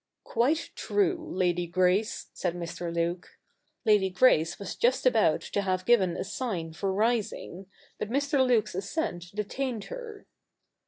' Quite true, Lady Grace,' said Mr. Luke. Lady Grace was just about to have given a sign for rising : but Mr. Luke's assent detained her.